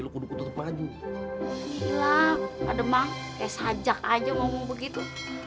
lu kuduk kuduk maju gila padema kayak sajak aja ngomong begitu